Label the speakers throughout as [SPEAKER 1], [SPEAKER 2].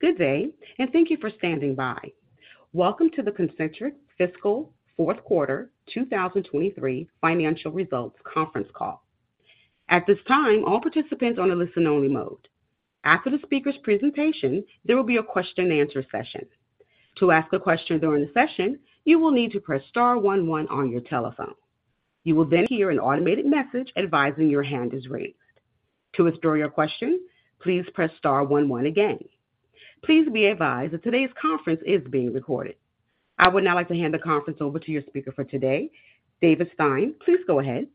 [SPEAKER 1] Good day, and thank you for standing by. Welcome to the Concentrix Fiscal Fourth Quarter 2023 Financial Results Conference Call. At this time, all participants are on a listen-only mode. After the speaker's presentation, there will be a question-and-answer session. To ask a question during the session, you will need to press star one one on your telephone. You will then hear an automated message advising your hand is raised. To withdraw your question, please press star one one again. Please be advised that today's conference is being recorded. I would now like to hand the conference over to your speaker for today, David Stein. Please go ahead.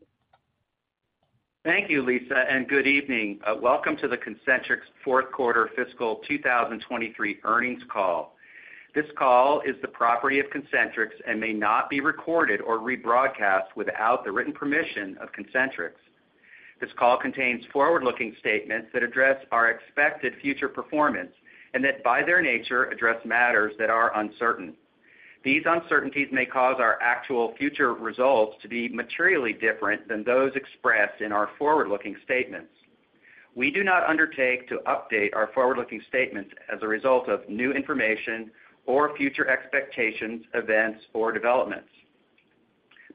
[SPEAKER 2] Thank you, Lisa, and good evening. Welcome to the Concentrix fourth quarter fiscal 2023 earnings call. This call is the property of Concentrix and may not be recorded or rebroadcast without the written permission of Concentrix. This call contains forward-looking statements that address our expected future performance and that, by their nature, address matters that are uncertain. These uncertainties may cause our actual future results to be materially different than those expressed in our forward-looking statements. We do not undertake to update our forward-looking statements as a result of new information or future expectations, events, or developments.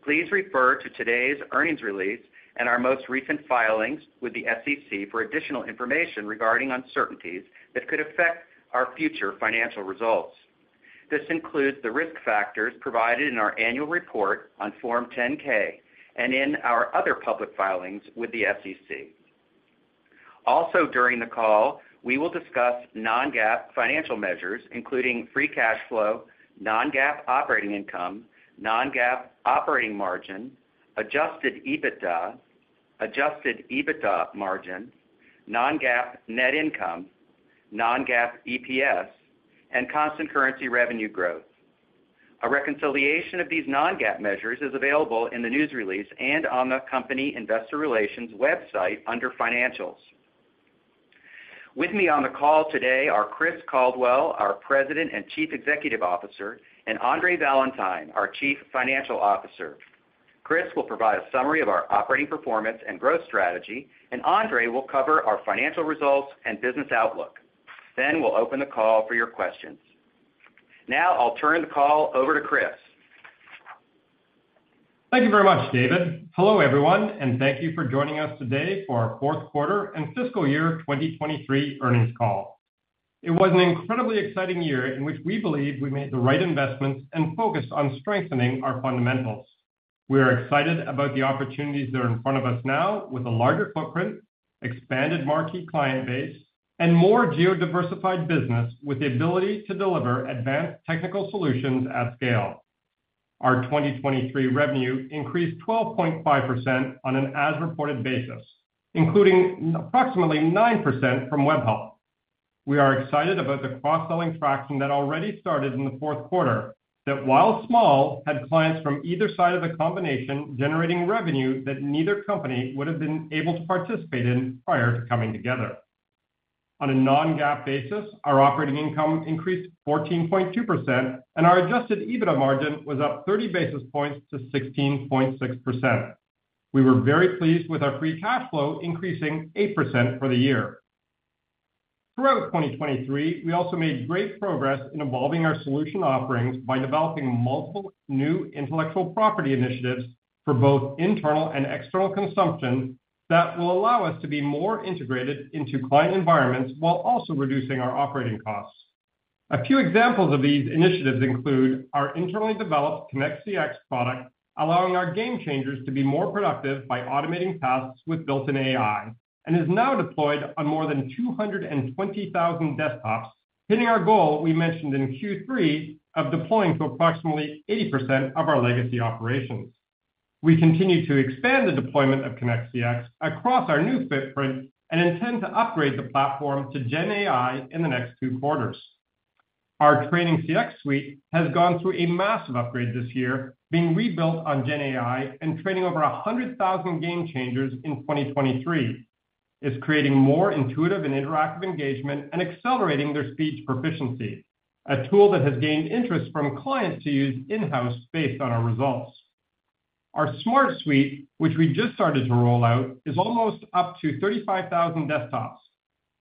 [SPEAKER 2] Please refer to today's earnings release and our most recent filings with the SEC for additional information regarding uncertainties that could affect our future financial results. This includes the risk factors provided in our annual report on Form 10-K and in our other public filings with the SEC. Also, during the call, we will discuss Non-GAAP financial measures, including free cash flow, Non-GAAP Operating Income, Non-GAAP Operating Margin, Adjusted EBITDA, Adjusted EBITDA Margin, Non-GAAP Net Income, Non-GAAP EPS, and Constant Currency Revenue Growth. A reconciliation of these Non-GAAP measures is available in the news release and on the company investor relations website under Financials. With me on the call today are Chris Caldwell, our President and Chief Executive Officer, and Andre Valentine, our Chief Financial Officer. Chris will provide a summary of our operating performance and growth strategy, and Andre will cover our financial results and business outlook. Then we'll open the call for your questions. Now I'll turn the call over to Chris.
[SPEAKER 3] Thank you very much, David. Hello, everyone, and thank you for joining us today for our fourth quarter and fiscal year 2023 earnings call. It was an incredibly exciting year in which we believe we made the right investments and focused on strengthening our fundamentals. We are excited about the opportunities that are in front of us now with a larger footprint, expanded marquee client base, and more geo-diversified business, with the ability to deliver advanced technical solutions at scale. Our 2023 revenue increased 12.5% on an as-reported basis, including approximately 9% from Webhelp. We are excited about the cross-selling traction that already started in the fourth quarter, that, while small, had clients from either side of the combination generating revenue that neither company would have been able to participate in prior to coming together. On a non-GAAP basis, our operating income increased 14.2%, and our Adjusted EBITDA margin was up 30 basis points to 16.6%. We were very pleased with our free cash flow, increasing 8% for the year. Throughout 2023, we also made great progress in evolving our solution offerings by developing multiple new intellectual property initiatives for both internal and external consumption that will allow us to be more integrated into client environments while also reducing our operating costs. A few examples of these initiatives include our internally developed ConnectCX product, allowing our Game Changers to be more productive by automating tasks with built-in AI, and is now deployed on more than 220,000 desktops, hitting our goal we mentioned in Q3 of deploying to approximately 80% of our legacy operations. We continue to expand the deployment of ConnectCX across our new footprint and intend to upgrade the platform to GenAI in the next two quarters. Our TrainingCX suite has gone through a massive upgrade this year, being rebuilt on GenAI and training over 100,000 Game Changers in 2023. It's creating more intuitive and interactive engagement and accelerating their speech proficiency, a tool that has gained interest from clients to use in-house based on our results. Our Smart Suite, which we just started to roll out, is almost up to 35,000 desktops.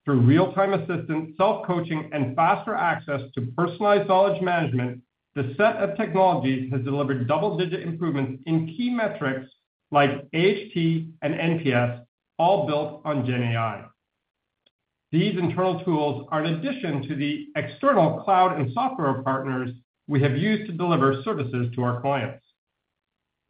[SPEAKER 3] Through real-time assistance, self-coaching, and faster access to personalized knowledge management, the set of technologies has delivered double-digit improvements in key metrics like AHT and NPS, all built on GenAI. These internal tools are in addition to the external cloud and software partners we have used to deliver services to our clients.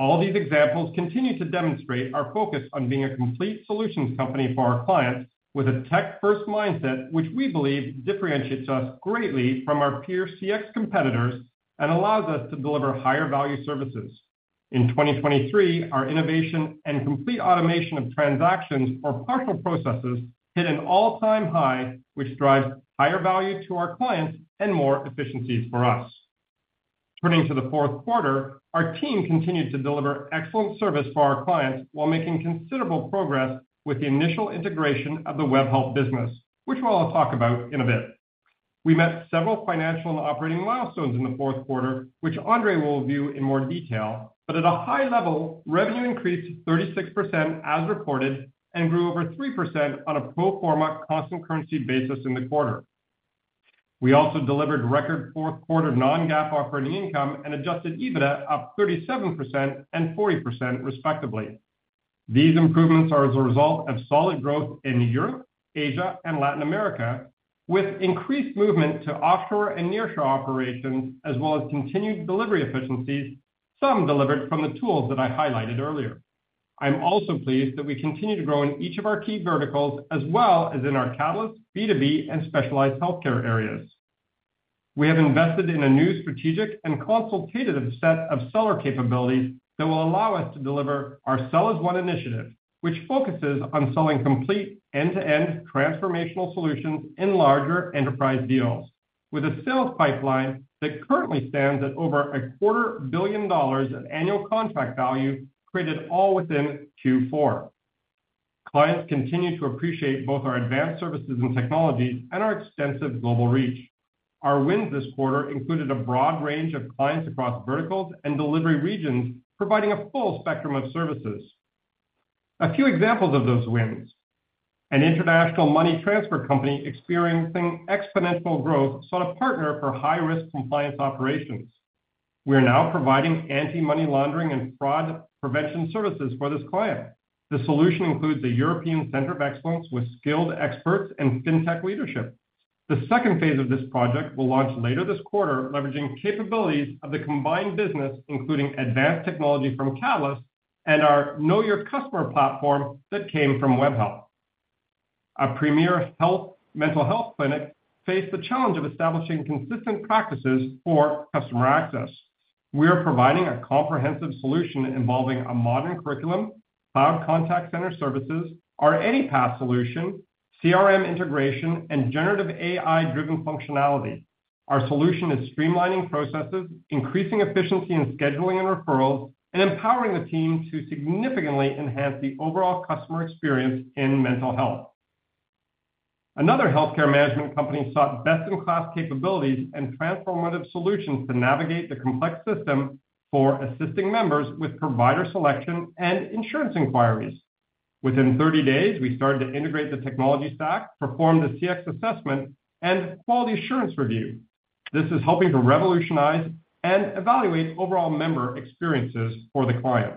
[SPEAKER 3] All these examples continue to demonstrate our focus on being a complete solutions company for our clients, with a tech-first mindset, which we believe differentiates us greatly from our peer CX competitors and allows us to deliver higher-value services. In 2023, our innovation and complete automation of transactions or partial processes hit an all-time high, which drives higher value to our clients and more efficiencies for us. Turning to the fourth quarter, our team continued to deliver excellent service for our clients while making considerable progress with the initial integration of the Webhelp business, which I'll talk about in a bit. We met several financial and operating milestones in the fourth quarter, which Andre will review in more detail. But at a high level, revenue increased 36% as reported, and grew over 3% on a pro forma constant currency basis in the quarter. We also delivered record fourth quarter Non-GAAP operating income and Adjusted EBITDA up 37% and 40%, respectively. These improvements are as a result of solid growth in Europe, Asia, and Latin America, with increased movement to offshore and nearshore operations, as well as continued delivery efficiencies, some delivered from the tools that I highlighted earlier. I'm also pleased that we continue to grow in each of our key verticals as well as in our Catalyst, B2B, and specialized healthcare areas. We have invested in a new strategic and consultative set of seller capabilities that will allow us to deliver our Sell as One initiative, which focuses on selling complete end-to-end transformational solutions in larger enterprise deals, with a sales pipeline that currently stands at over $250 million of annual contract value created all within Q4. Clients continue to appreciate both our advanced services and technologies and our extensive global reach. Our wins this quarter included a broad range of clients across verticals and delivery regions, providing a full spectrum of services. A few examples of those wins: an international money transfer company experiencing exponential growth sought a partner for high-risk compliance operations. We are now providing anti-money laundering and fraud prevention services for this client. The solution includes a European center of excellence with skilled experts and fintech leadership. The second phase of this project will launch later this quarter, leveraging capabilities of the combined business, including advanced technology from Catalyst and our Know Your Customer platform that came from Webhelp. A premier health, mental health clinic faced the challenge of establishing consistent practices for customer access. We are providing a comprehensive solution involving a modern curriculum, cloud contact center services, our AnyPath solution, CRM integration, and generative AI-driven functionality. Our solution is streamlining processes, increasing efficiency in scheduling and referrals, and empowering the team to significantly enhance the overall customer experience in mental health. Another healthcare management company sought best-in-class capabilities and transformative solutions to navigate the complex system for assisting members with provider selection and insurance inquiries. Within 30 days, we started to integrate the technology stack, perform the CX assessment, and quality assurance review. This is helping to revolutionize and evaluate overall member experiences for the client.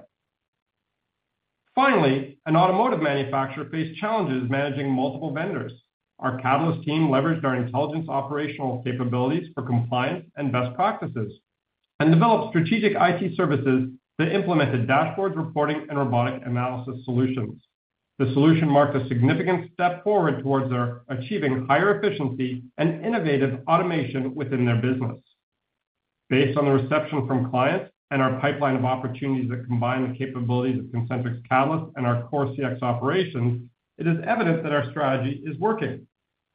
[SPEAKER 3] Finally, an automotive manufacturer faced challenges managing multiple vendors. Our Catalyst team leveraged our intelligence operational capabilities for compliance and best practices, and developed strategic IT services that implemented dashboards, reporting, and robotic analysis solutions. The solution marked a significant step forward towards their achieving higher efficiency and innovative automation within their business. Based on the reception from clients and our pipeline of opportunities that combine the capabilities of Concentrix Catalyst and our core CX operations, it is evident that our strategy is working.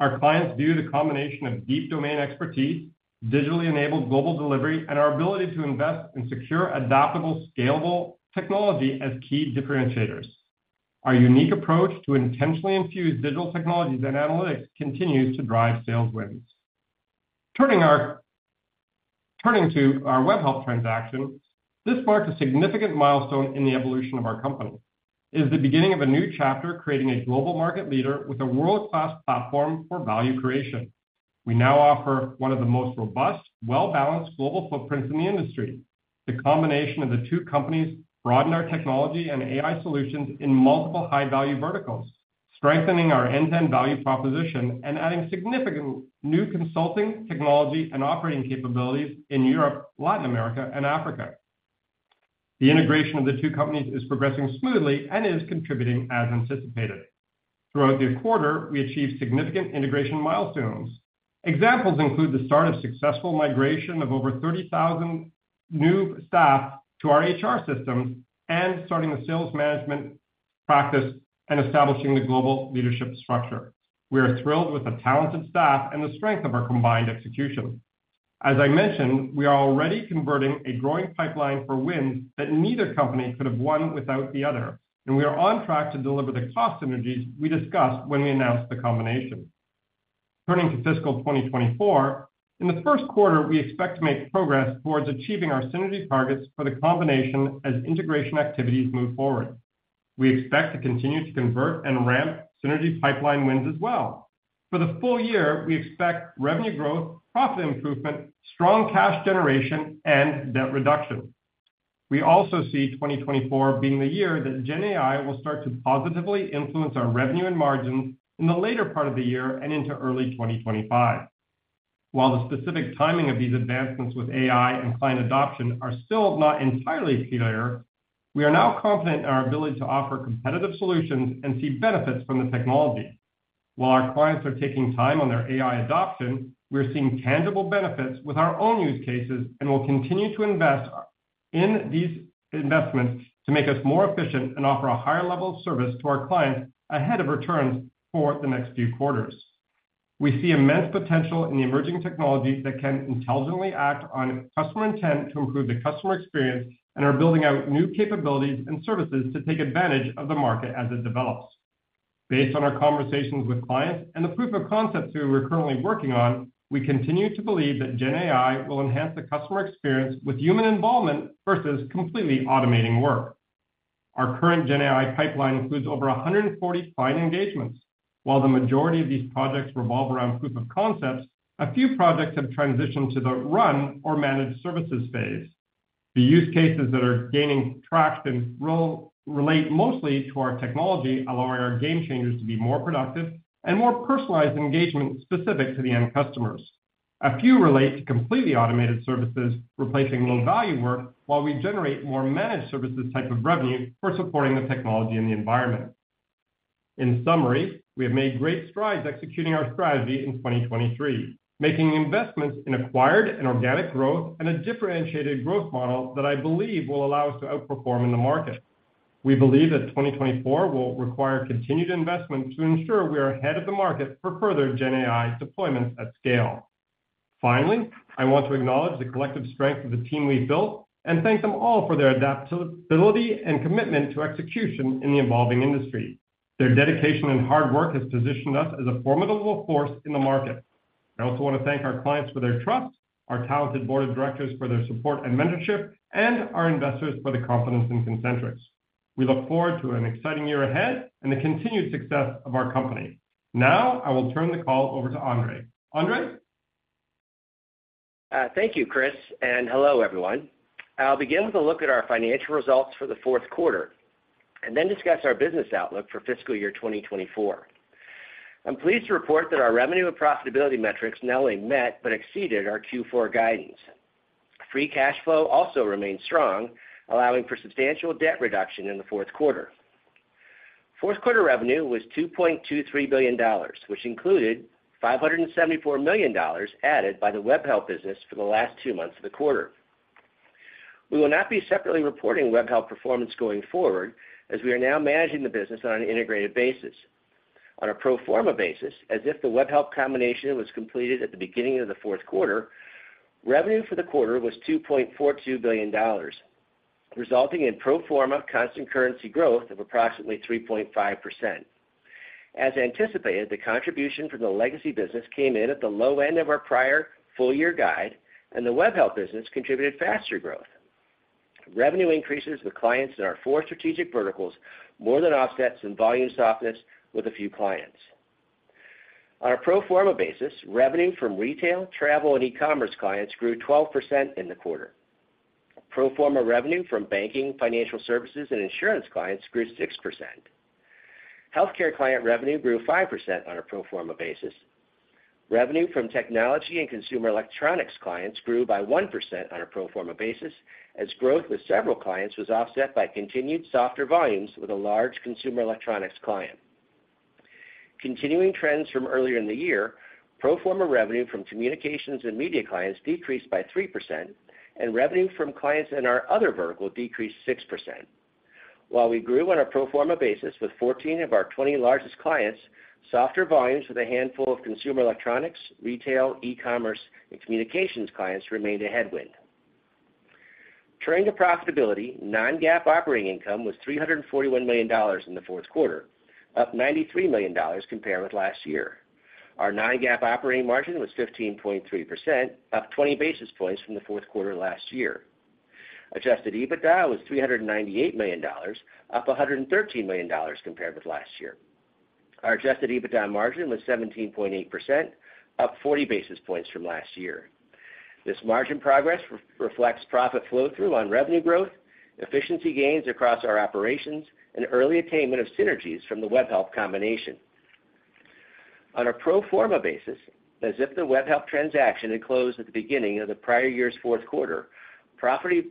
[SPEAKER 3] Our clients view the combination of deep domain expertise, digitally enabled global delivery, and our ability to invest in secure, adaptable, scalable technology as key differentiators. Our unique approach to intentionally infuse digital technologies and analytics continues to drive sales wins. Turning to our Webhelp transaction, this marks a significant milestone in the evolution of our company. It is the beginning of a new chapter, creating a global market leader with a world-class platform for value creation. We now offer one of the most robust, well-balanced global footprints in the industry. The combination of the two companies broaden our technology and AI solutions in multiple high-value verticals, strengthening our end-to-end value proposition and adding significant new consulting, technology, and operating capabilities in Europe, Latin America, and Africa. The integration of the two companies is progressing smoothly and is contributing as anticipated. Throughout the quarter, we achieved significant integration milestones. Examples include the start of successful migration of over 30,000 new staff to our HR systems and starting the sales management practice and establishing the global leadership structure. We are thrilled with the talented staff and the strength of our combined execution. As I mentioned, we are already converting a growing pipeline for wins that neither company could have won without the other, and we are on track to deliver the cost synergies we discussed when we announced the combination. Turning to fiscal 2024, in the first quarter, we expect to make progress towards achieving our synergy targets for the combination as integration activities move forward. We expect to continue to convert and ramp synergy pipeline wins as well. For the full year, we expect revenue growth, profit improvement, strong cash generation, and debt reduction. We also see 2024 being the year that GenAI will start to positively influence our revenue and margins in the later part of the year and into early 2025. While the specific timing of these advancements with AI and client adoption are still not entirely clear, we are now confident in our ability to offer competitive solutions and see benefits from the technology. While our clients are taking time on their AI adoption, we're seeing tangible benefits with our own use cases and will continue to invest in these investments to make us more efficient and offer a higher level of service to our clients ahead of returns for the next few quarters. We see immense potential in the emerging technologies that can intelligently act on customer intent to improve the customer experience, and are building out new capabilities and services to take advantage of the market as it develops. Based on our conversations with clients and the proof of concepts we are currently working on, we continue to believe that GenAI will enhance the customer experience with human involvement versus completely automating work. Our current GenAI pipeline includes over 140 client engagements. While the majority of these projects revolve around proof of concepts, a few projects have transitioned to the run or managed services phase. The use cases that are gaining traction, relate mostly to our technology, allowing our Game Changers to be more productive and more personalized engagement specific to the end customers. A few relate to completely automated services, replacing low-value work, while we generate more managed services type of revenue for supporting the technology and the environment. In summary, we have made great strides executing our strategy in 2023, making investments in acquired and organic growth and a differentiated growth model that I believe will allow us to outperform in the market. We believe that 2024 will require continued investment to ensure we are ahead of the market for further GenAI deployments at scale. Finally, I want to acknowledge the collective strength of the team we've built and thank them all for their adaptability and commitment to execution in the evolving industry. Their dedication and hard work has positioned us as a formidable force in the market. I also want to thank our clients for their trust, our talented board of directors for their support and mentorship, and our investors for the confidence in Concentrix. We look forward to an exciting year ahead and the continued success of our company. Now I will turn the call over to Andre. Andre?
[SPEAKER 4] Thank you, Chris, and hello, everyone. I'll begin with a look at our financial results for the fourth quarter and then discuss our business outlook for fiscal year 2024. I'm pleased to report that our revenue and profitability metrics not only met but exceeded our Q4 guidance. Free cash flow also remained strong, allowing for substantial debt reduction in the fourth quarter. Fourth quarter revenue was $2.23 billion, which included $574 million added by the Webhelp business for the last two months of the quarter. We will not be separately reporting Webhelp performance going forward, as we are now managing the business on an integrated basis. On a pro forma basis, as if the Webhelp combination was completed at the beginning of the fourth quarter, revenue for the quarter was $2.42 billion, resulting in pro forma constant currency growth of approximately 3.5%. As anticipated, the contribution from the legacy business came in at the low end of our prior full year guide, and the Webhelp business contributed faster growth. Revenue increases with clients in our four strategic verticals more than offsets and volume softness with a few clients. On a pro forma basis, revenue from retail, travel and e-commerce clients grew 12% in the quarter. Pro forma revenue from banking, financial services and insurance clients grew 6%. Healthcare client revenue grew 5% on a pro forma basis. Revenue from technology and consumer electronics clients grew by 1% on a pro forma basis, as growth with several clients was offset by continued softer volumes with a large consumer electronics client. Continuing trends from earlier in the year, pro forma revenue from communications and media clients decreased by 3%, and revenue from clients in our other vertical decreased 6%. While we grew on a pro forma basis with 14 of our 20 largest clients, softer volumes with a handful of consumer electronics, retail, e-commerce, and communications clients remained a headwind. Turning to profitability, non-GAAP operating income was $341 million in the fourth quarter, up $93 million compared with last year. Our non-GAAP operating margin was 15.3%, up 20 basis points from the fourth quarter last year. Adjusted EBITDA was $398 million, up $113 million compared with last year. Our adjusted EBITDA margin was 17.8%, up 40 basis points from last year. This margin progress reflects profit flow-through on revenue growth, efficiency gains across our operations and early attainment of synergies from the Webhelp combination. On a pro forma basis, as if the Webhelp transaction had closed at the beginning of the prior year's fourth quarter, profitability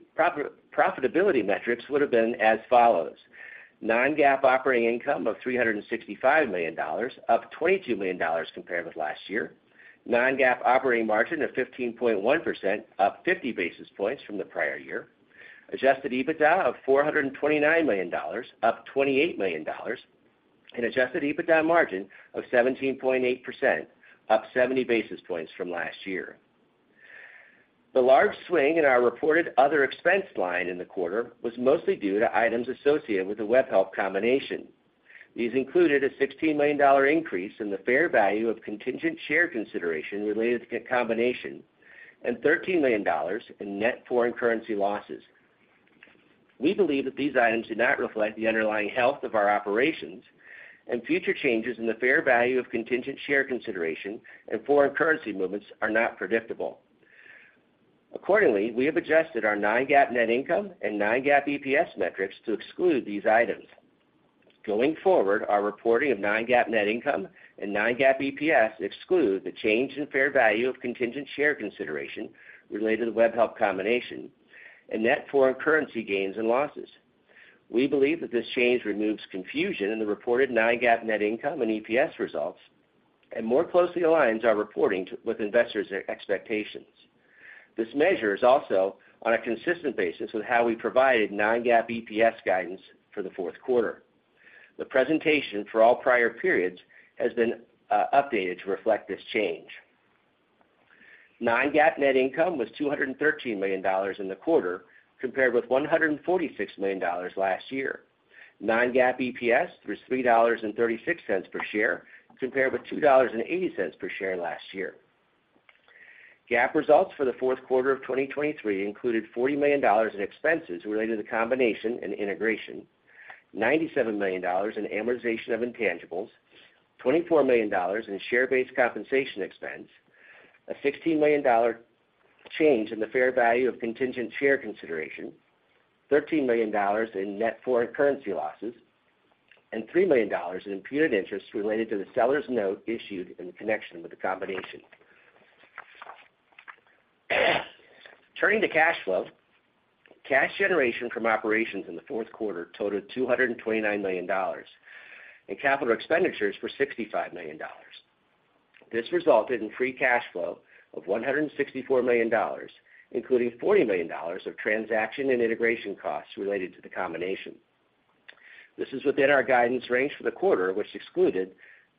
[SPEAKER 4] metrics would have been as follows: non-GAAP operating income of $365 million, up $22 million compared with last year. Non-GAAP operating margin of 15.1%, up 50 basis points from the prior year. Adjusted EBITDA of $429 million, up $28 million, and adjusted EBITDA margin of 17.8%, up 70 basis points from last year. The large swing in our reported other expense line in the quarter was mostly due to items associated with the Webhelp combination. These included a $16 million increase in the fair value of contingent share consideration related to the combination and $13 million in net foreign currency losses. We believe that these items do not reflect the underlying health of our operations, and future changes in the fair value of contingent share consideration and foreign currency movements are not predictable. Accordingly, we have adjusted our non-GAAP net income and non-GAAP EPS metrics to exclude these items. Going forward, our reporting of non-GAAP net income and non-GAAP EPS exclude the change in fair value of contingent share consideration related to the Webhelp combination and net foreign currency gains and losses. We believe that this change removes confusion in the reported non-GAAP net income and EPS results and more closely aligns our reporting to with investors' expectations. This measure is also on a consistent basis with how we provided non-GAAP EPS guidance for the fourth quarter. The presentation for all prior periods has been updated to reflect this change. Non-GAAP net income was $213 million in the quarter, compared with $146 million last year. Non-GAAP EPS was $3.36 per share, compared with $2.80 per share last year. GAAP results for the fourth quarter of 2023 included $40 million in expenses related to the combination and integration, $97 million in amortization of intangibles, $24 million in share-based compensation expense, a $16 million change in the fair value of contingent share consideration, $13 million in net foreign currency losses, and $3 million in imputed interest related to the seller's note issued in connection with the combination. Turning to cash flow. Cash generation from operations in the fourth quarter totaled $229 million, and capital expenditures were $65 million. This resulted in free cash flow of $164 million, including $40 million of transaction and integration costs related to the combination. This is within our guidance range for the quarter, which excluded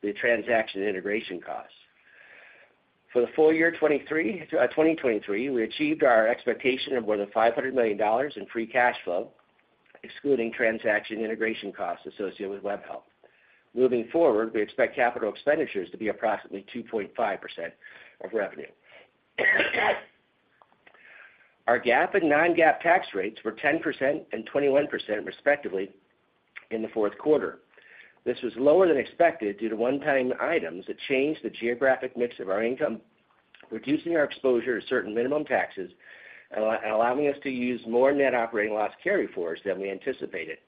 [SPEAKER 4] the transaction integration costs. For the full year 2023, we achieved our expectation of more than $500 million in free cash flow, excluding transaction integration costs associated with Webhelp. Moving forward, we expect capital expenditures to be approximately 2.5% of revenue. Our GAAP and non-GAAP tax rates were 10% and 21%, respectively, in the fourth quarter. This was lower than expected due to one-time items that changed the geographic mix of our income, reducing our exposure to certain minimum taxes and allowing us to use more net operating loss carryforwards than we anticipated.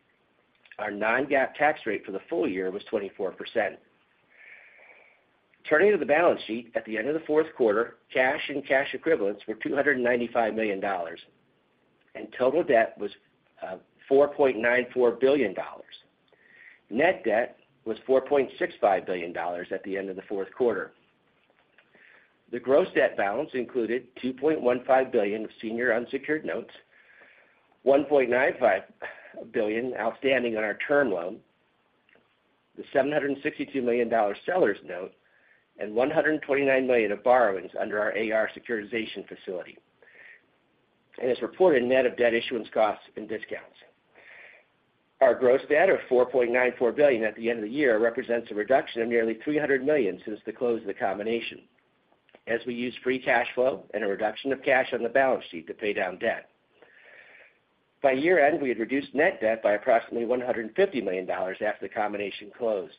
[SPEAKER 4] Our non-GAAP tax rate for the full year was 24%. Turning to the balance sheet, at the end of the fourth quarter, cash and cash equivalents were $295 million, and total debt was $4.94 billion. Net debt was $4.65 billion at the end of the fourth quarter. The gross debt balance included $2.15 billion of senior unsecured notes, $1.95 billion outstanding on our term loan, the $762 million seller's note, and $129 million of borrowings under our AR securitization facility, and is reported net of debt issuance costs and discounts. Our gross debt of $4.94 billion at the end of the year represents a reduction of nearly $300 million since the close of the combination, as we used free cash flow and a reduction of cash on the balance sheet to pay down debt. By year-end, we had reduced net debt by approximately $150 million after the combination closed.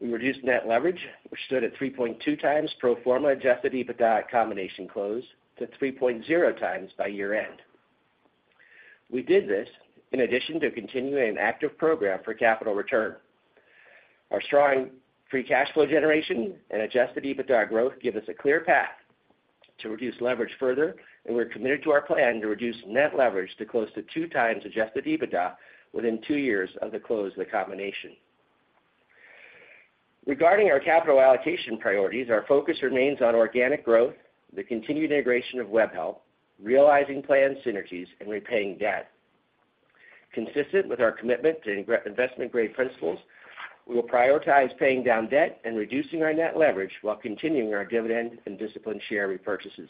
[SPEAKER 4] We reduced net leverage, which stood at 3.2 times pro forma adjusted EBITDA at combination close to 3.0 times by year-end. We did this in addition to continuing an active program for capital return. Our strong free cash flow generation and adjusted EBITDA growth give us a clear path to reduce leverage further, and we're committed to our plan to reduce net leverage to close to two times adjusted EBITDA within two years of the close of the combination. Regarding our capital allocation priorities, our focus remains on organic growth, the continued integration of Webhelp, realizing planned synergies, and repaying debt. Consistent with our commitment to investment-grade principles, we will prioritize paying down debt and reducing our net leverage while continuing our dividend and disciplined share repurchases.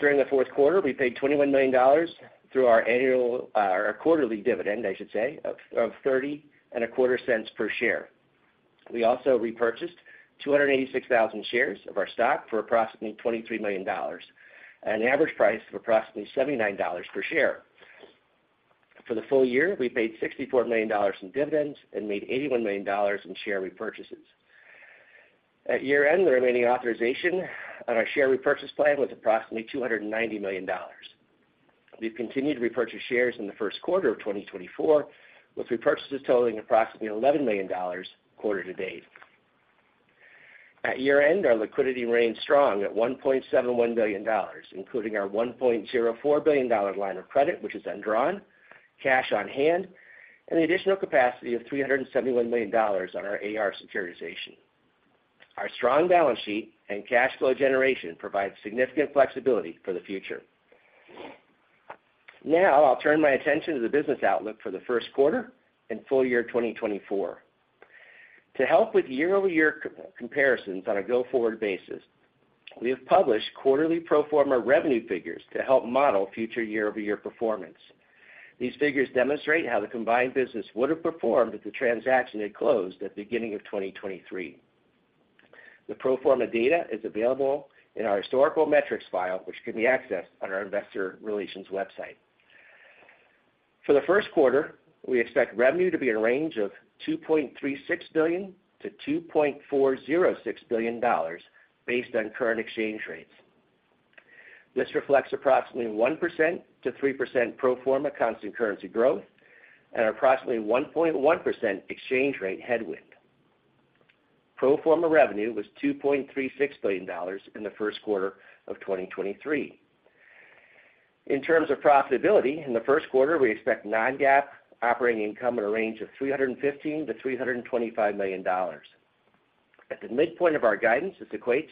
[SPEAKER 4] During the fourth quarter, we paid $21 million through our annual, our quarterly dividend, I should say, of 30.25 cents per share. We also repurchased 286,000 shares of our stock for approximately $23 million at an average price of approximately $79 per share. For the full year, we paid $64 million in dividends and made $81 million in share repurchases. At year-end, the remaining authorization on our share repurchase plan was approximately $290 million. We've continued to repurchase shares in the first quarter of 2024, with repurchases totaling approximately $11 million quarter to date. At year-end, our liquidity remained strong at $1.71 billion, including our $1.04 billion line of credit, which is undrawn, cash on hand, and the additional capacity of $371 million on our AR securitization. Our strong balance sheet and cash flow generation provides significant flexibility for the future. Now, I'll turn my attention to the business outlook for the first quarter and full year 2024. To help with year-over-year comparisons on a go-forward basis, we have published quarterly pro forma revenue figures to help model future year-over-year performance. These figures demonstrate how the combined business would have performed if the transaction had closed at the beginning of 2023. The pro forma data is available in our historical metrics file, which can be accessed on our investor relations website. For the first quarter, we expect revenue to be in a range of $2.36 billion-$2.406 billion, based on current exchange rates. This reflects approximately 1%-3% pro forma constant currency growth and approximately 1.1% exchange rate headwind. Pro forma revenue was $2.36 billion in the first quarter of 2023. In terms of profitability, in the first quarter, we expect non-GAAP operating income in a range of $315 million-$325 million. At the midpoint of our guidance, this equates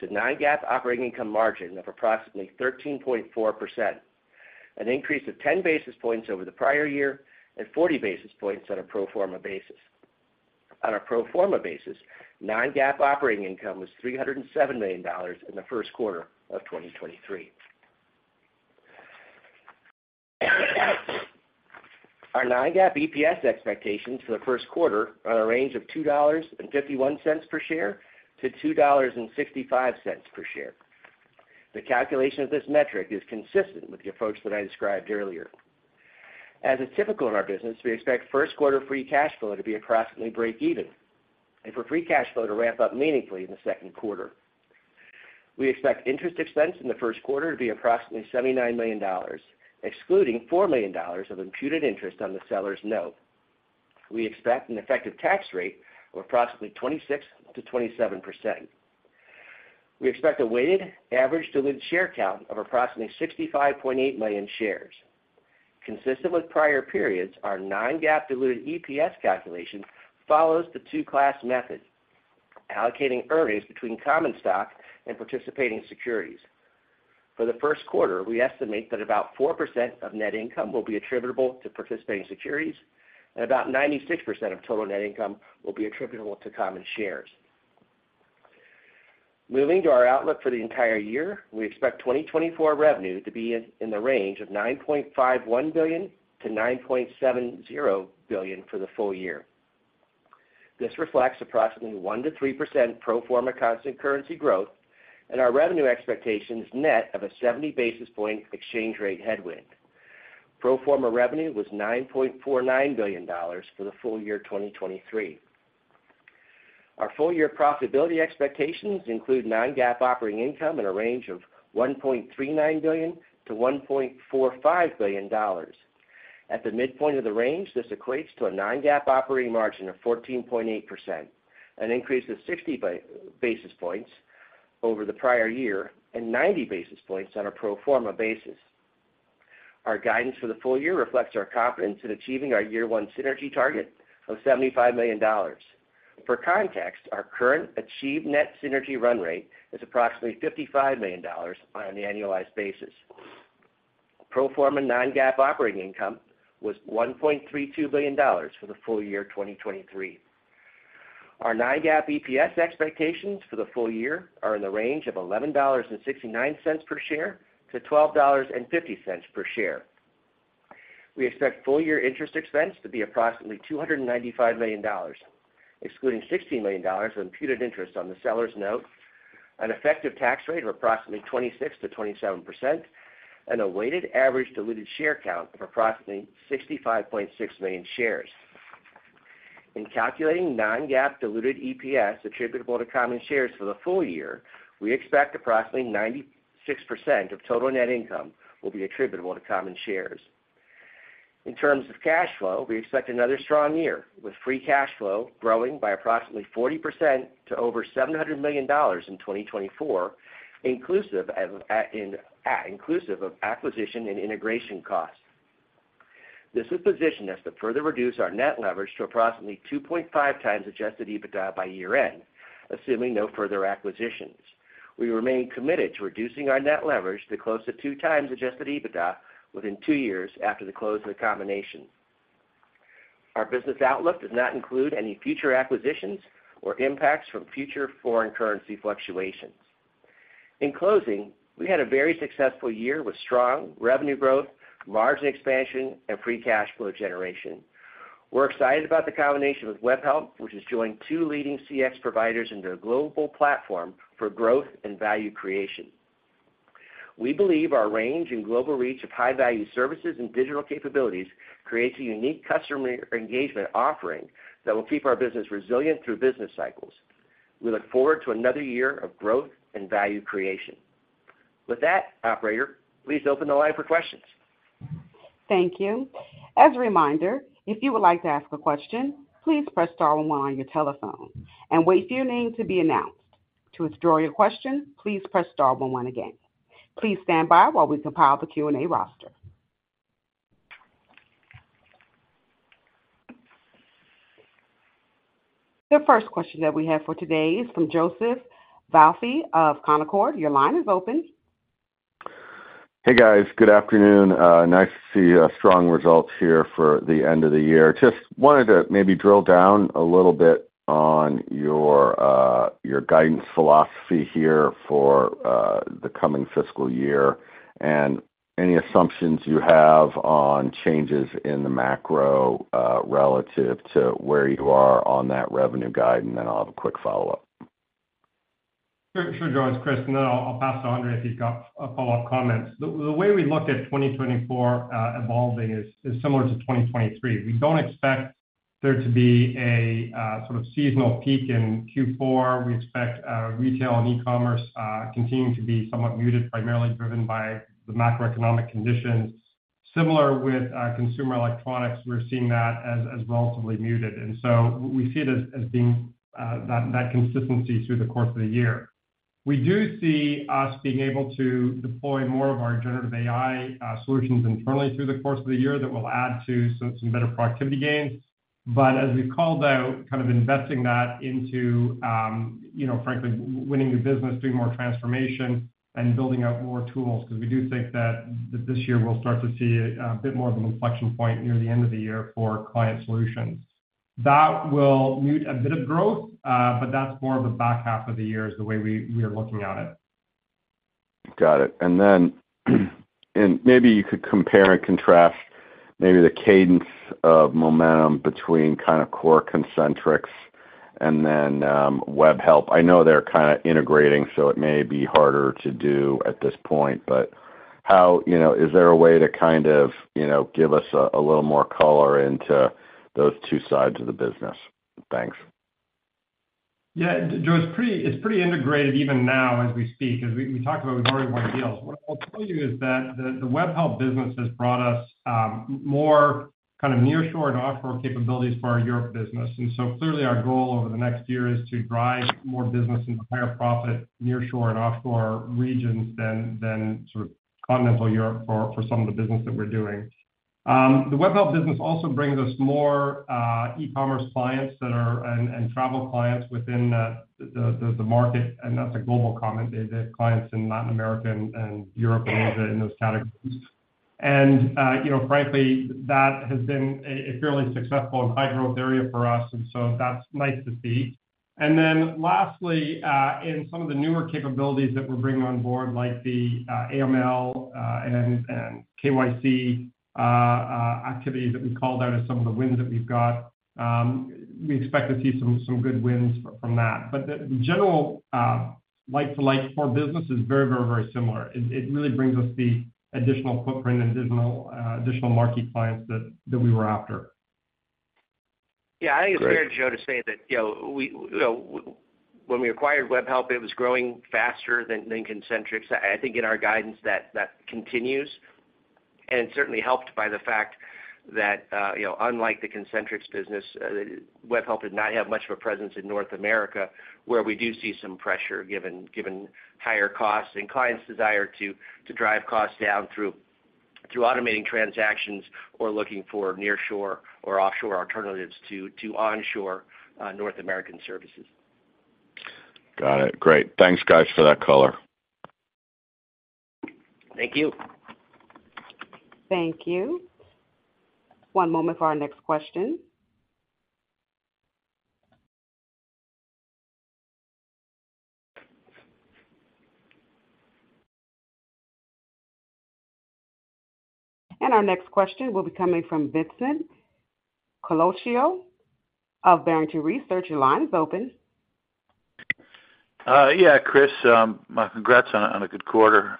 [SPEAKER 4] to non-GAAP operating income margin of approximately 13.4%. An increase of 10 basis points over the prior year and 40 basis points on a pro forma basis. On a pro forma basis, non-GAAP operating income was $307 million in the first quarter of 2023. Our non-GAAP EPS expectations for the first quarter are in a range of $2.51-$2.65 per share. The calculation of this metric is consistent with the approach that I described earlier. As is typical in our business, we expect first quarter free cash flow to be approximately break even, and for free cash flow to ramp up meaningfully in the second quarter. We expect interest expense in the first quarter to be approximately $79 million, excluding $4 million of imputed interest on the seller's note. We expect an effective tax rate of approximately 26%-27%. We expect a weighted average diluted share count of approximately 65.8 million shares. Consistent with prior periods, our non-GAAP diluted EPS calculation follows the two-class method, allocating earnings between common stock and participating securities. For the first quarter, we estimate that about 4% of net income will be attributable to participating securities, and about 96% of total net income will be attributable to common shares. Moving to our outlook for the entire year, we expect 2024 revenue to be in the range of $9.51 billion-$9.70 billion for the full year. This reflects approximately 1%-3% pro forma constant currency growth, and our revenue expectations net of a 70 basis point exchange rate headwind. Pro forma revenue was $9.49 billion for the full year 2023. Our full-year profitability expectations include non-GAAP operating income in a range of $1.39 billion-$1.45 billion. At the midpoint of the range, this equates to a non-GAAP operating margin of 14.8%, an increase of 60 basis points over the prior year and 90 basis points on a pro forma basis. Our guidance for the full year reflects our confidence in achieving our year one synergy target of $75 million. For context, our current achieved net synergy run rate is approximately $55 million on an annualized basis. Pro forma non-GAAP operating income was $1.32 billion for the full year 2023. Our non-GAAP EPS expectations for the full year are in the range of $11.69-$12.50 per share. We expect full-year interest expense to be approximately $295 million, excluding $60 million of imputed interest on the seller's note, an effective tax rate of approximately 26%-27%, and a weighted average diluted share count of approximately 65.6 million shares. In calculating non-GAAP diluted EPS attributable to common shares for the full year, we expect approximately 96% of total net income will be attributable to common shares. In terms of cash flow, we expect another strong year, with free cash flow growing by approximately 40% to over $700 million in 2024, inclusive of acquisition and integration costs. This will position us to further reduce our net leverage to approximately 2.5x Adjusted EBITDA by year-end, assuming no further acquisitions. We remain committed to reducing our net leverage to close to 2x adjusted EBITDA within two years after the close of the combination. Our business outlook does not include any future acquisitions or impacts from future foreign currency fluctuations. In closing, we had a very successful year with strong revenue growth, margin expansion and free cash flow generation. We're excited about the combination with Webhelp, which has joined two leading CX providers into a global platform for growth and value creation. We believe our range and global reach of high-value services and digital capabilities creates a unique customer engagement offering that will keep our business resilient through business cycles. We look forward to another year of growth and value creation. With that, operator, please open the line for questions.
[SPEAKER 1] Thank you. As a reminder, if you would like to ask a question, please press star one on your telephone and wait for your name to be announced. To withdraw your question, please press star one one again. Please stand by while we compile the Q&A roster. The first question that we have for today is from Joseph Vafi of Canaccord. Your line is open.
[SPEAKER 5] Hey, guys. Good afternoon. Nice to see strong results here for the end of the year. Just wanted to maybe drill down a little bit on your your guidance philosophy here for the coming fiscal year, and any assumptions you have on changes in the macro, relative to where you are on that revenue guide, and then I'll have a quick follow-up.
[SPEAKER 3] Sure, sure, Joe, it's Chris, and then I'll pass to Andre if he's got follow-up comments. The way we look at 2024 evolving is similar to 2023. We don't expect there to be a sort of seasonal peak in Q4. We expect retail and e-commerce continuing to be somewhat muted, primarily driven by the macroeconomic conditions. Similar with consumer electronics, we're seeing that as relatively muted, and so we see it as being that consistency through the course of the year. We do see us being able to deploy more of our generative AI solutions internally through the course of the year that will add to some better productivity gains.... But as we've called out, kind of investing that into, you know, frankly, winning the business, doing more transformation, and building out more tools, because we do think that this year we'll start to see a bit more of an inflection point near the end of the year for client solutions. That will mute a bit of growth, but that's more of the back half of the year, is the way we are looking at it.
[SPEAKER 5] Got it. And then, and maybe you could compare and contrast maybe the cadence of momentum between kind of core Concentrix and then, Webhelp. I know they're kinda integrating, so it may be harder to do at this point, but how, you know, is there a way to kind of, you know, give us a little more color into those two sides of the business? Thanks.
[SPEAKER 3] Yeah, Joe, it's pretty, it's pretty integrated even now as we speak, 'cause we talked about we've already won deals. What I'll tell you is that the Webhelp business has brought us more kind of nearshore and offshore capabilities for our Europe business. And so clearly, our goal over the next year is to drive more business and higher profit nearshore and offshore regions than sort of continental Europe for some of the business that we're doing. The Webhelp business also brings us more e-commerce clients that are and travel clients within the market, and that's a global comment. They have clients in Latin America and Europe and Asia in those categories. And you know, frankly, that has been a fairly successful and high-growth area for us, and so that's nice to see. And then lastly, in some of the newer capabilities that we're bringing on board, like the AML and KYC activities that we called out as some of the wins that we've got, we expect to see some good wins from that. But the general like for like core business is very, very, very similar. It really brings us the additional footprint and additional marquee clients that we were after.
[SPEAKER 5] Great.
[SPEAKER 4] Yeah, I think it's fair, Joe, to say that, you know, we you know, when we acquired Webhelp, it was growing faster than Concentrix. I think in our guidance that continues, and certainly helped by the fact that, you know, unlike the Concentrix business, Webhelp did not have much of a presence in North America, where we do see some pressure given higher costs and clients' desire to drive costs down through automating transactions or looking for nearshore or offshore alternatives to onshore North American services.
[SPEAKER 5] Got it. Great. Thanks, guys, for that color.
[SPEAKER 4] Thank you.
[SPEAKER 1] Thank you. One moment for our next question. Our next question will be coming from Vincent Colicchio of Barrington Research. Your line is open.
[SPEAKER 6] Yeah, Chris, my congrats on a good quarter.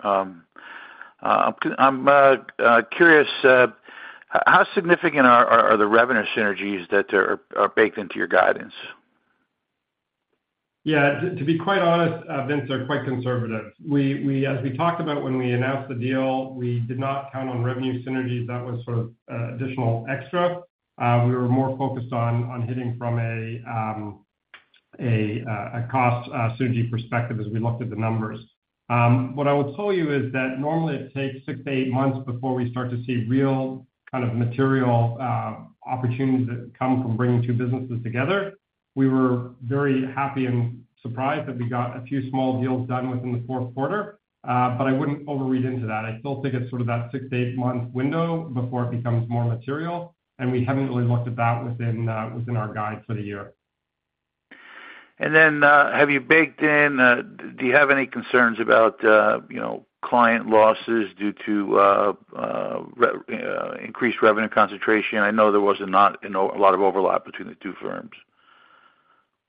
[SPEAKER 6] I'm curious, how significant are the revenue synergies that are baked into your guidance?
[SPEAKER 3] Yeah, to be quite honest, Vince, they're quite conservative. We—as we talked about when we announced the deal, we did not count on revenue synergies. That was sort of additional extra. We were more focused on hitting from a cost synergy perspective as we looked at the numbers. What I would tell you is that normally it takes six to eight months before we start to see real kind of material opportunities that come from bringing two businesses together. We were very happy and surprised that we got a few small deals done within the fourth quarter, but I wouldn't overread into that. I still think it's sort of that six to eight-month window before it becomes more material, and we haven't really looked at that within our guide for the year.
[SPEAKER 6] Have you baked in... Do you have any concerns about, you know, client losses due to increased revenue concentration? I know there was not, you know, a lot of overlap between the two firms.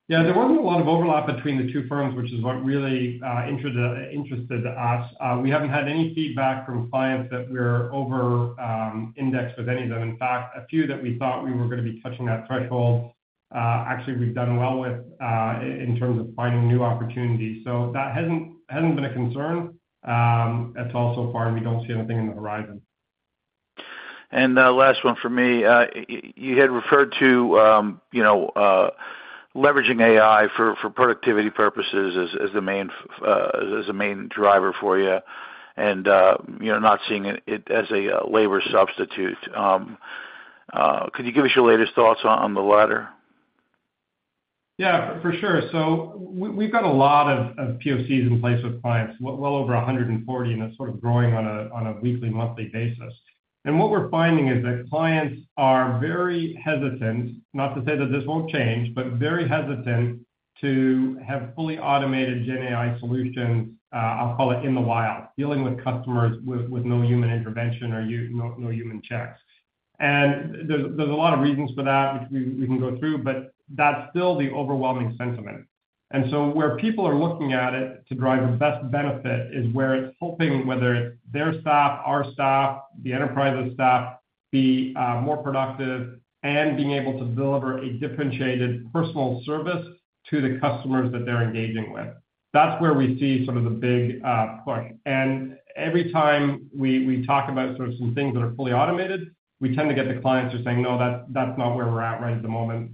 [SPEAKER 3] Yeah, there wasn't a lot of overlap between the two firms, which is what really interested us. We haven't had any feedback from clients that we're over indexed with any of them. In fact, a few that we thought we were gonna be touching that threshold, actually, we've done well with in terms of finding new opportunities. So that hasn't been a concern at all so far, and we don't see anything in the horizon.
[SPEAKER 6] And, last one for me. You had referred to, you know, leveraging AI for productivity purposes as the main driver for you and, you're not seeing it as a labor substitute. Could you give us your latest thoughts on the latter?
[SPEAKER 3] Yeah, for sure. So we've got a lot of POCs in place with clients, well over 140, and it's sort of growing on a weekly, monthly basis. And what we're finding is that clients are very hesitant, not to say that this won't change, but very hesitant to have fully automated GenAI solutions, I'll call it in the wild, dealing with customers with no human intervention or no human checks. And there's a lot of reasons for that, which we can go through, but that's still the overwhelming sentiment. And so where people are looking at it to drive the best benefit is where it's hoping, whether it's their staff, our staff, the enterprise's staff, to be more productive and being able to deliver a differentiated personal service to the customers that they're engaging with. That's where we see some of the big push. And every time we talk about sort of some things that are fully automated, we tend to get the clients just saying: "No, that's not where we're at right at the moment.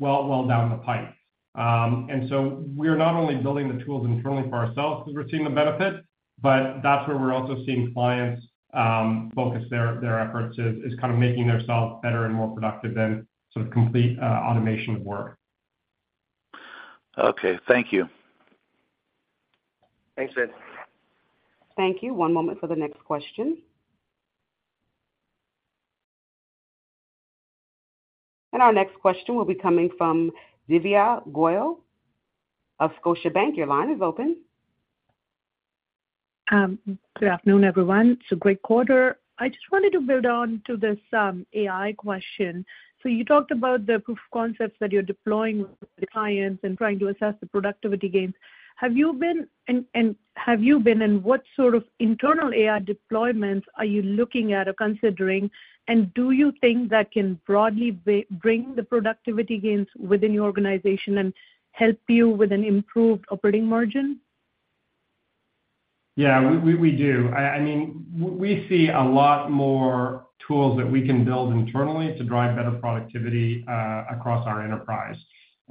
[SPEAKER 3] That's well down the pipe." And so we're not only building the tools internally for ourselves because we're seeing the benefit, but that's where we're also seeing clients focus their efforts is kind of making themselves better and more productive than sort of complete automation of work.
[SPEAKER 7] Okay, thank you.
[SPEAKER 3] Thanks, Vince.
[SPEAKER 1] Thank you. One moment for the next question. Our next question will be coming from Divya Goyal of Scotiabank. Your line is open.
[SPEAKER 8] Good afternoon, everyone. It's a great quarter. I just wanted to build on to this AI question. So you talked about the proof of concepts that you're deploying with the clients and trying to assess the productivity gains. Have you been and what sort of internal AI deployments are you looking at or considering? And do you think that can broadly bring the productivity gains within your organization and help you with an improved operating margin?
[SPEAKER 3] Yeah, we do. I mean, we see a lot more tools that we can build internally to drive better productivity across our enterprise.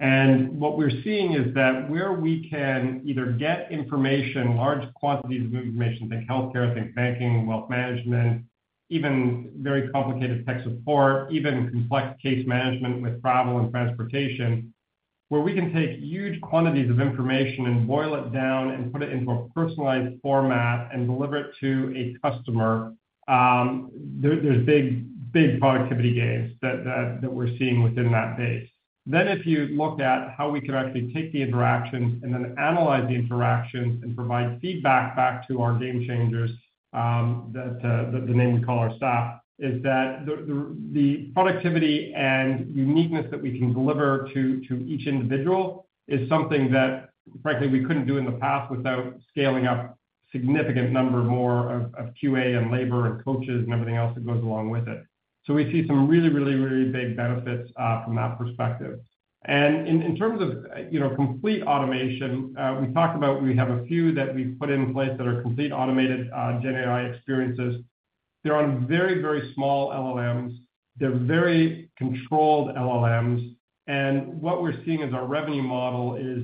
[SPEAKER 3] And what we're seeing is that where we can either get information, large quantities of information, think healthcare, think banking, wealth management, even very complicated tech support, even complex case management with travel and transportation, where we can take huge quantities of information and boil it down and put it into a personalized format and deliver it to a customer, there, there's big, big productivity gains that we're seeing within that base. Then, if you looked at how we could actually take the interactions and then analyze the interactions and provide feedback back to our Game Changers, that the name we call our staff, is that the productivity and uniqueness that we can deliver to each individual is something that, frankly, we couldn't do in the past without scaling up significant number more of QA and labor and coaches and everything else that goes along with it. So we see some really, really, really big benefits from that perspective. And in terms of, you know, complete automation, we talked about we have a few that we've put in place that are complete automated GenAI experiences. They're on very, very small LLMs. They're very controlled LLMs. And what we're seeing is our revenue model is,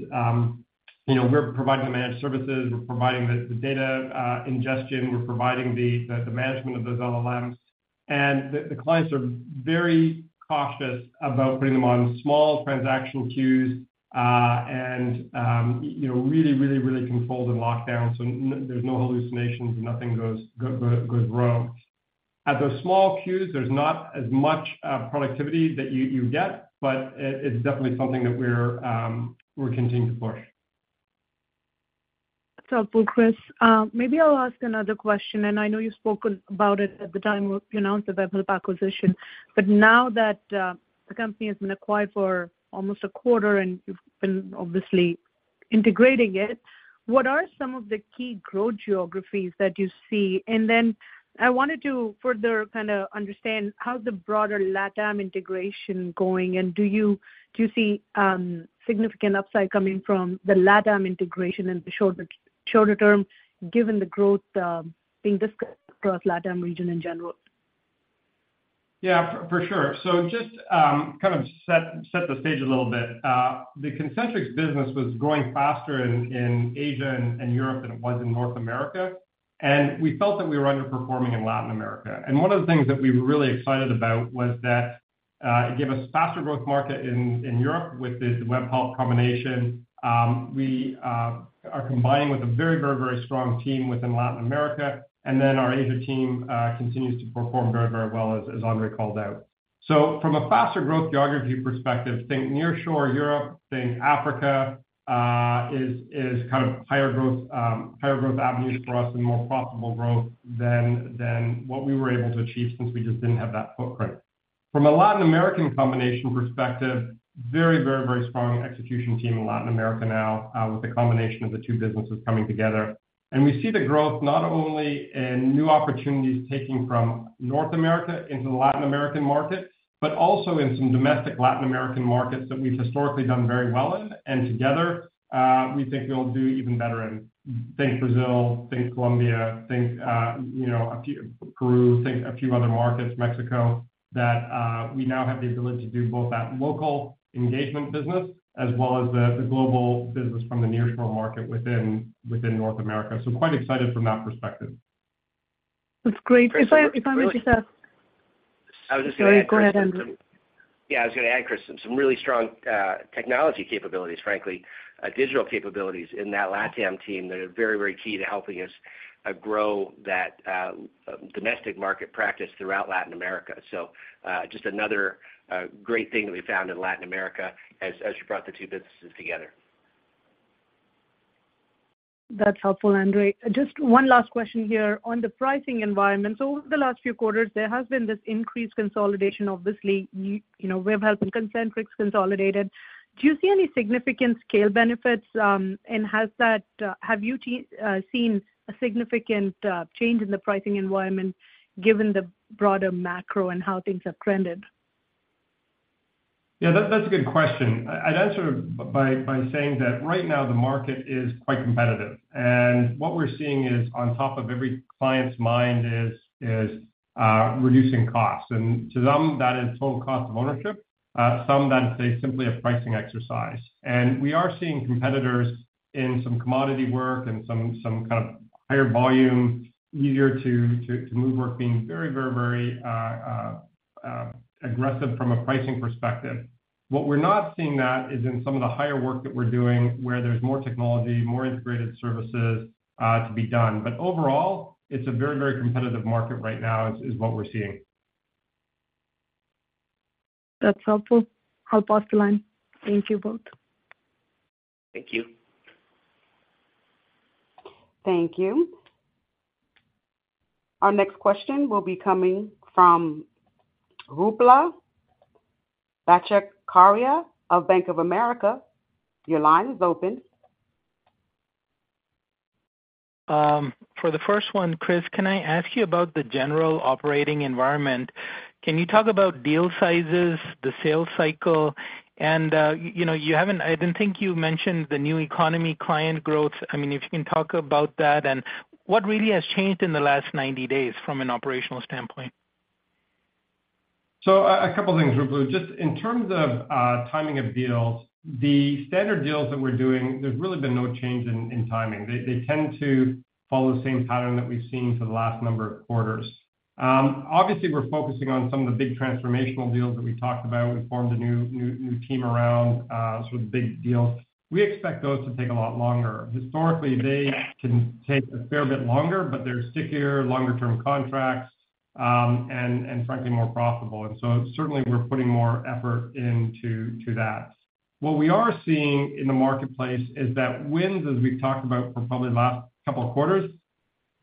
[SPEAKER 3] you know, we're providing the managed services, we're providing the data ingestion, we're providing the management of those LLMs. And the clients are very cautious about putting them on small transactional queues, and, you know, really, really, really controlled and locked down, so there's no hallucinations, and nothing goes rogue. At those small queues, there's not as much productivity that you get, but it's definitely something that we're continuing to push.
[SPEAKER 8] That's helpful, Chris. Maybe I'll ask another question, and I know you spoke about it at the time we announced the Webhelp acquisition. But now that the company has been acquired for almost a quarter, and you've been obviously integrating it, what are some of the key growth geographies that you see? And then I wanted to further kind of understand how the broader LatAm integration going, and do you see significant upside coming from the LatAm integration in the short, shorter term, given the growth being discussed across LatAm region in general?
[SPEAKER 3] Yeah, for sure. So just kind of set the stage a little bit. The Concentrix business was growing faster in Asia and Europe than it was in North America, and we felt that we were underperforming in Latin America. And one of the things that we were really excited about was that it gave us faster growth market in Europe with this Webhelp combination. We are combining with a very, very, very strong team within Latin America, and then our Asia team continues to perform very, very well, as Andre called out. So from a faster growth geography perspective, think nearshore Europe, think Africa is kind of higher growth avenues for us and more profitable growth than what we were able to achieve since we just didn't have that footprint. From a Latin American combination perspective, very, very, very strong execution team in Latin America now, with the combination of the two businesses coming together. We see the growth not only in new opportunities taking from North America into the Latin American market, but also in some domestic Latin American markets that we've historically done very well in. Together, we think we'll do even better in, think Brazil, think Colombia, think, you know, a few, Peru, think a few other markets, Mexico, that we now have the ability to do both that local engagement business as well as the, the global business from the nearshore market within, within North America. Quite excited from that perspective.
[SPEAKER 8] That's great.
[SPEAKER 4] Chris, we really-
[SPEAKER 8] If I may just ask...
[SPEAKER 4] I was just gonna add, Chris-
[SPEAKER 8] Sorry, go ahead, Andre.
[SPEAKER 4] Yeah, I was gonna add, Chris, some really strong technology capabilities, frankly, digital capabilities in that LatAm team that are very, very key to helping us grow that domestic market practice throughout Latin America. So, just another great thing that we found in Latin America as you brought the two businesses together.
[SPEAKER 8] That's helpful, Andre. Just one last question here. On the pricing environment, so over the last few quarters, there has been this increased consolidation. Obviously, you know, Webhelp and Concentrix consolidated. Do you see any significant scale benefits? And has that, have you seen a significant change in the pricing environment, given the broader macro and how things have trended? ...
[SPEAKER 3] Yeah, that's a good question. I'd answer by saying that right now the market is quite competitive, and what we're seeing is on top of every client's mind is reducing costs. And to them, that is total cost of ownership, some that is simply a pricing exercise. And we are seeing competitors in some commodity work and some kind of higher volume, easier to move work, being very, very, very aggressive from a pricing perspective. What we're not seeing that is in some of the higher work that we're doing, where there's more technology, more integrated services to be done. But overall, it's a very, very competitive market right now, is what we're seeing.
[SPEAKER 9] That's helpful. Help us align. Thank you both.
[SPEAKER 4] Thank you.
[SPEAKER 1] Thank you. Our next question will be coming from Ruplu Bhattacharya of Bank of America. Your line is open.
[SPEAKER 9] For the first one, Chris, can I ask you about the general operating environment? Can you talk about deal sizes, the sales cycle, and, you know, you haven't-- I didn't think you mentioned the new economy client growth. I mean, if you can talk about that, and what really has changed in the last 90 days from an operational standpoint?
[SPEAKER 3] So a couple things, Ruplu. Just in terms of timing of deals, the standard deals that we're doing, there's really been no change in timing. They tend to follow the same pattern that we've seen for the last number of quarters. Obviously, we're focusing on some of the big transformational deals that we talked about. We formed a new team around sort of big deals. We expect those to take a lot longer. Historically, they can take a fair bit longer, but they're stickier, longer-term contracts, and frankly, more profitable. And so certainly we're putting more effort into that. What we are seeing in the marketplace is that wins, as we've talked about for probably the last couple of quarters,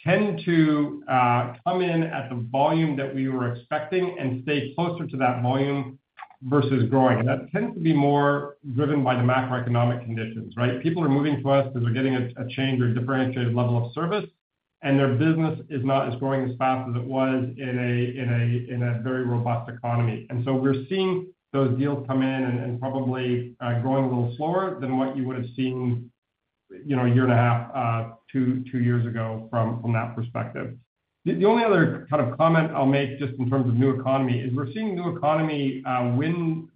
[SPEAKER 3] tend to come in at the volume that we were expecting and stay closer to that volume versus growing. That tends to be more driven by the macroeconomic conditions, right? People are moving to us because they're getting a change or differentiated level of service, and their business is not as growing as fast as it was in a very robust economy. And so we're seeing those deals come in and probably growing a little slower than what you would have seen, you know, a year and a half, two years ago from that perspective. The only other kind of comment I'll make, just in terms of new economy, is we're seeing new economy win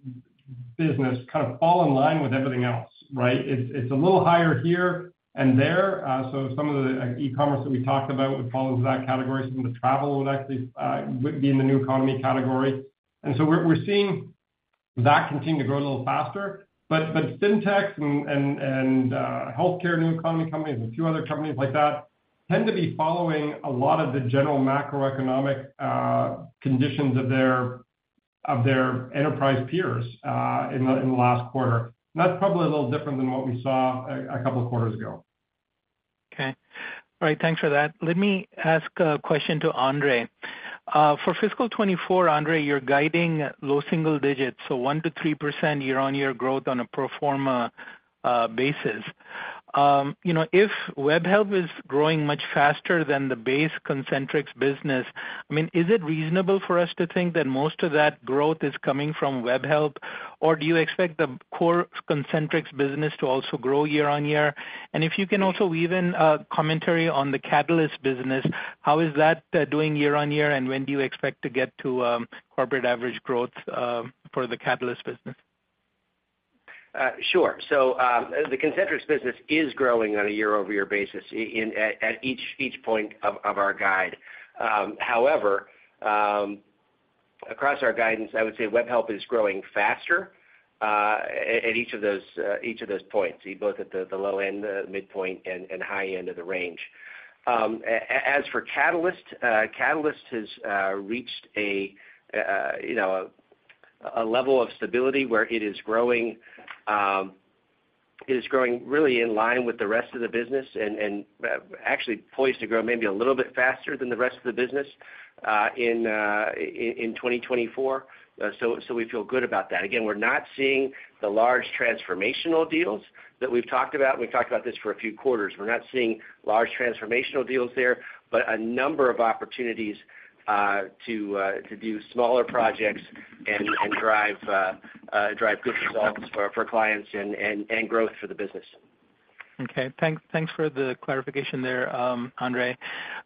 [SPEAKER 3] business kind of fall in line with everything else, right? It's a little higher here and there. So some of the e-commerce that we talked about would fall into that category. Some of the travel would actually would be in the new economy category. And so we're seeing that continue to grow a little faster. But fintech and healthcare, new economy companies, a few other companies like that, tend to be following a lot of the general macroeconomic conditions of their enterprise peers in the last quarter. That's probably a little different than what we saw a couple of quarters ago.
[SPEAKER 9] Okay. All right. Thanks for that. Let me ask a question to Andre. For fiscal 2024, Andre, you're guiding low single digits, so 1%-3% year-on-year growth on a pro forma basis. You know, if Webhelp is growing much faster than the base Concentrix business, I mean, is it reasonable for us to think that most of that growth is coming from Webhelp, or do you expect the core Concentrix business to also grow year-on-year? And if you can also weave in commentary on the Catalyst business, how is that doing year-on-year, and when do you expect to get to corporate average growth for the Catalyst business?
[SPEAKER 4] Sure. So, the Concentrix business is growing on a year-over-year basis at each point of our guide. However, across our guidance, I would say Webhelp is growing faster at each of those points, both at the low end, the midpoint, and high end of the range. As for Catalyst, Catalyst has reached a, you know, a level of stability where it is growing... it is growing really in line with the rest of the business and, actually poised to grow maybe a little bit faster than the rest of the business, in 2024. So, we feel good about that. Again, we're not seeing the large transformational deals that we've talked about. We've talked about this for a few quarters. We're not seeing large transformational deals there, but a number of opportunities to do smaller projects and drive good results for clients and growth for the business.
[SPEAKER 9] Okay. Thanks for the clarification there, Andre.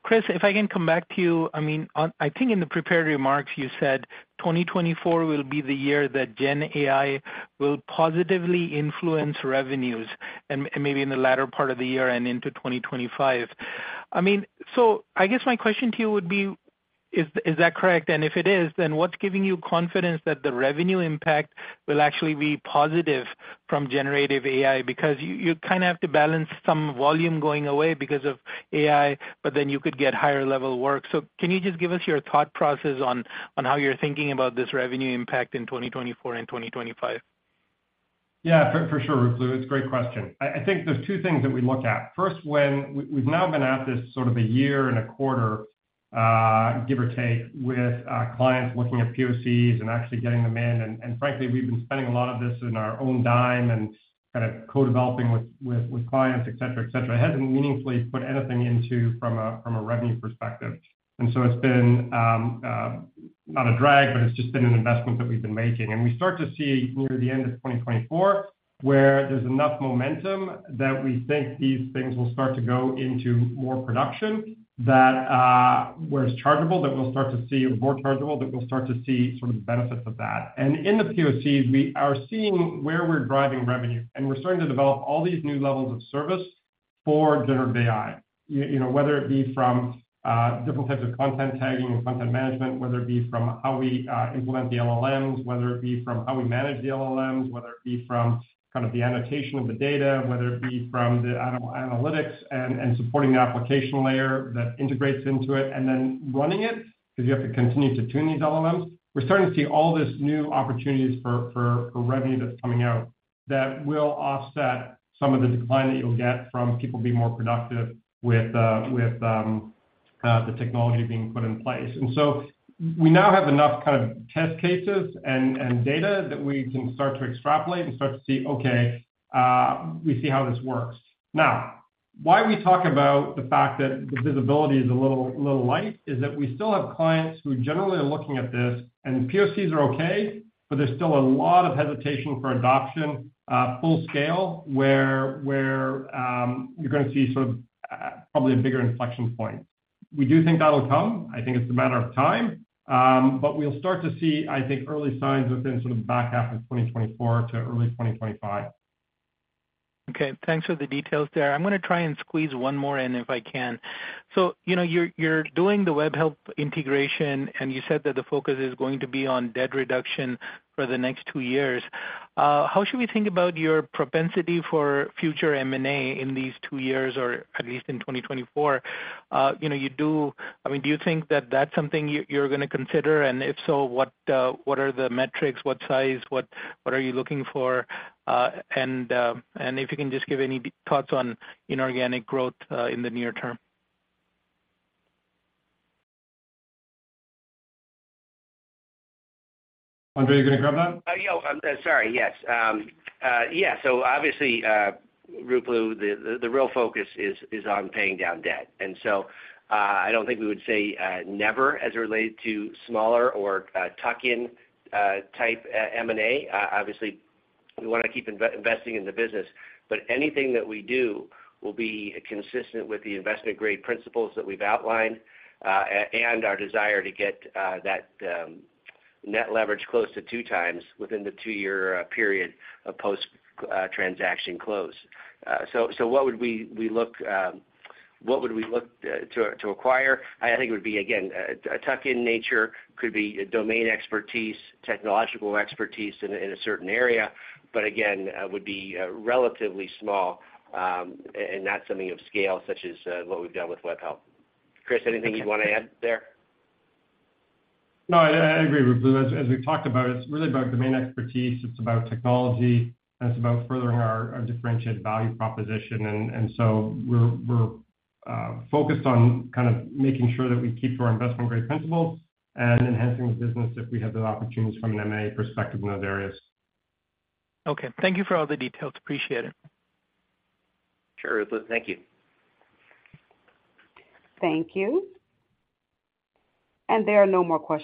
[SPEAKER 9] Chris, if I can come back to you. I mean, on, I think in the prepared remarks, you said 2024 will be the year that GenAI will positively influence revenues and, and maybe in the latter part of the year and into 2025. I mean, so I guess my question to you would be: Is, is that correct? And if it is, then what's giving you confidence that the revenue impact will actually be positive from generative AI? Because you, you kind of have to balance some volume going away because of AI, but then you could get higher level work. So can you just give us your thought process on, on how you're thinking about this revenue impact in 2024 and 2025?
[SPEAKER 3] Yeah, for sure, Ruplu. It's a great question. I think there's two things that we look at. First, when we've now been at this sort of a year and a quarter, give or take, with clients looking at POCs and actually getting them in, and frankly, we've been spending a lot of this on our own dime and kind of co-developing with clients, et cetera, et cetera. It hasn't meaningfully put anything into from a revenue perspective. And so it's been not a drag, but it's just been an investment that we've been making. And we start to see toward the end of 2024, where there's enough momentum, that we think these things will start to go into more production, that where it's chargeable, that we'll start to see more chargeable, that we'll start to see some benefits of that. And in the POCs, we are seeing where we're driving revenue, and we're starting to develop all these new levels of service for generative AI. You know, whether it be from different types of content tagging and content management, whether it be from how we implement the LLMs, whether it be from how we manage the LLMs, whether it be from kind of the annotation of the data, whether it be from the analytics and supporting the application layer that integrates into it, and then running it, because you have to continue to tune these LLMs. We're starting to see all this new opportunities for revenue that's coming out, that will offset some of the decline that you'll get from people being more productive with the technology being put in place. And so we now have enough kind of test cases and data that we can start to extrapolate and start to see, okay, we see how this works. Now, why we talk about the fact that the visibility is a little light, is that we still have clients who generally are looking at this, and POCs are okay, but there's still a lot of hesitation for adoption full scale, where you're gonna see sort of probably a bigger inflection point. We do think that'll come. I think it's a matter of time. But we'll start to see, I think, early signs within sort of the back half of 2024 to early 2025.
[SPEAKER 9] Okay, thanks for the details there. I'm gonna try and squeeze one more in, if I can. So, you know, you're doing the Webhelp integration, and you said that the focus is going to be on debt reduction for the next two years. How should we think about your propensity for future M&A in these two years or at least in 2024? You know, I mean, do you think that that's something you're gonna consider? And if so, what are the metrics? What size? What are you looking for? And if you can just give any thoughts on inorganic growth in the near term.
[SPEAKER 3] Andre, you gonna grab that?
[SPEAKER 4] Sorry, yes. Yeah, so obviously, Ruplu, the real focus is on paying down debt, and so I don't think we would say never as it related to smaller or tuck-in type M&A. Obviously, we wanna keep investing in the business, but anything that we do will be consistent with the investment-grade principles that we've outlined, and our desire to get that net leverage close to 2x within the two-year period post transaction close. So what would we look to acquire? I think it would be, again, a tuck-in nature, could be a domain expertise, technological expertise in a certain area, but again, would be relatively small, and not something of scale, such as what we've done with Webhelp. Chris, anything you'd want to add there?
[SPEAKER 3] No, I agree with you. As we've talked about, it's really about domain expertise, it's about technology, and it's about furthering our differentiated value proposition. And so we're focused on kind of making sure that we keep to our investment-grade principles and enhancing the business if we have the opportunities from an M&A perspective in those areas.
[SPEAKER 9] Okay. Thank you for all the details. Appreciate it.
[SPEAKER 4] Sure, Ruplu. Thank you.
[SPEAKER 1] Thank you. And there are no more questions.